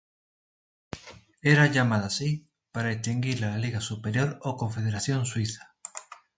Era llamada así para distinguirla de la Liga Superior o Confederación Suiza.